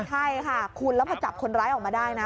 ใช่ค่ะคุณแล้วพอจับคนร้ายออกมาได้นะ